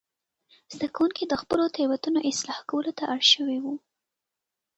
زده کوونکي د خپلو تېروتنو اصلاح کولو ته اړ شوي وو.